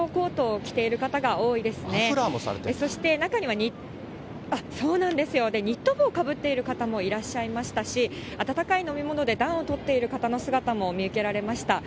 そして中には、ニット帽かぶっている方もいらっしゃいましたし、温かい飲み物で暖をとっている方の姿も見受けられました。